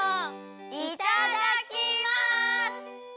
いただきます！